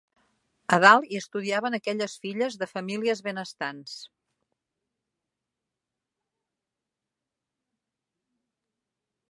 A dalt, hi estudiaven aquelles filles de famílies benestants.